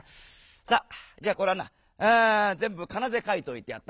さあじゃあこれはぜんぶかなで書いといてやった」。